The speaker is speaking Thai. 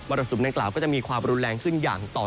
รสุมดังกล่าวก็จะมีความรุนแรงขึ้นอย่างต่อ